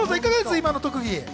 今の特技。